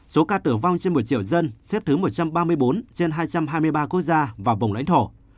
số ca tử vong trên một triệu dân xếp thứ một trăm ba mươi bốn trên hai trăm hai mươi ba quốc gia và vùng lãnh thổ